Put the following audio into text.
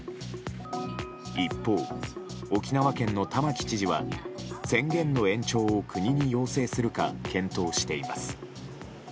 一方、沖縄県の玉城知事は宣言の延長を国に要請するか検討しています。